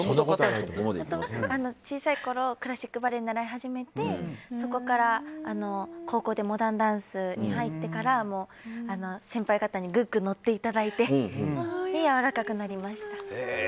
小さい頃クラシックバレエ習い始めてそこから高校でモダンダンスに入ってから先輩方に乗っていただいてやわらかくなりました。